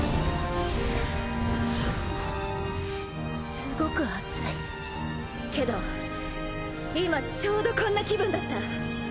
すごく熱いけど今ちょうどこんな気分だった。